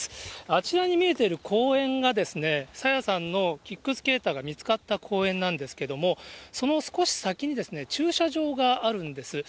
あちらに見えている公園がですね、朝芽さんのキックスケーターが見つかった公園なんですけれども、その少し先に、駐車場があるんです。